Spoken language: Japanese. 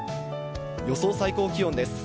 予想最高気温です。